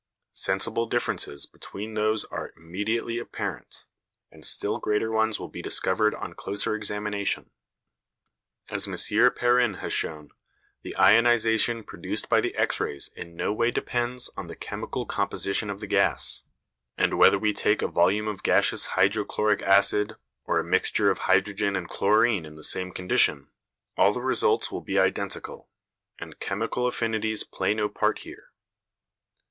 Sensible differences between those are immediately apparent, and still greater ones will be discovered on closer examination. As M. Perrin has shown, the ionisation produced by the X rays in no way depends on the chemical composition of the gas; and whether we take a volume of gaseous hydrochloric acid or a mixture of hydrogen and chlorine in the same condition, all the results will be identical: and chemical affinities play no part here.